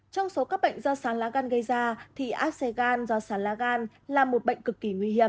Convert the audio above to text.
trong số các bệnh do sán lá gan gây ra thì acy gan do sán lá gan là một bệnh cực kỳ nguy hiểm